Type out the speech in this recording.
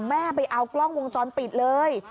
แม่ไปเอากล้องวงจรปิดเลย